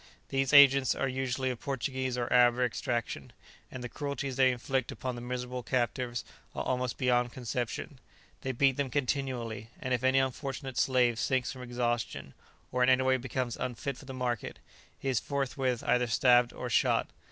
These agents are usually of Portuguese or Arab extraction; and the cruelties they inflict upon the miserable captives are almost beyond conception; they beat them continually, and if any unfortunate slave sinks from exhaustion, or in any way becomes unfit for the market, he is forthwith either stabbed or shot.